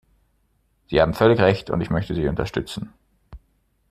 Sie haben völlig Recht, und ich möchte Sie unterstützen.